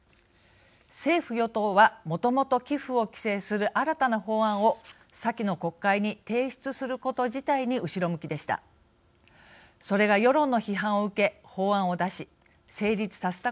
政府与党は、もともと寄付を規制する新たな法案を先の国会に提出すること自体に後ろ向きでした。